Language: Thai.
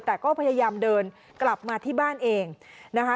แต่ก็พยายามเดินกลับมาที่บ้านเองนะคะ